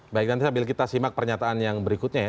baik nanti sambil kita simak pernyataan yang berikutnya ya